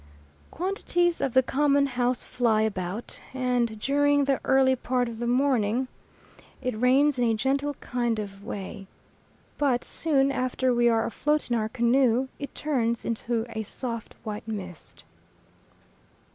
Quantities of the common house fly about and, during the early part of the morning, it rains in a gentle kind of way; but soon after we are afloat in our canoe it turns into a soft white mist.